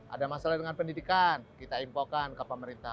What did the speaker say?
ada masalah dengan pendidikan kita infokan ke pemerintah